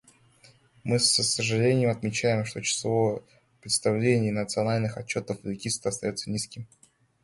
Мы с сожалением отмечаем, что число представлений национальных отчетов в Регистр остается низким.